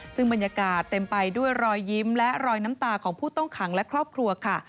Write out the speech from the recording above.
ซึ่งบรรยากาศเต็มไปด้วยรอยยิ้มและรอยน้ำตาของผู้ต้องขังและครอบครัวค่ะ